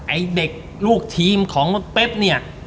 ไอ้เด็กลูกทีมของเป๊บเนี่ย